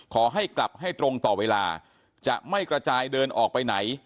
ขอให้กลับให้ตรงต่อเวลาจะไม่กระจายเดินออกไปไหน